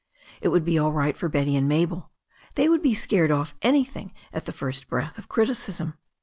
It would be all right for Betty and MabeL They would be scared oS anything at the first breath of criticism.